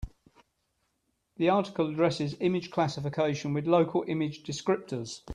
The article addresses image classification with local image descriptors.